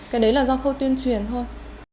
cái đấy là do khâu tuyên truyền thôi